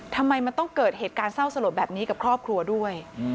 ทำไมมันต้องเกิดเหตุการณ์เศร้าสลดแบบนี้กับครอบครัวด้วย